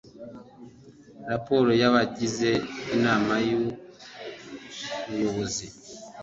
raporo y abagize inama y ububoyozi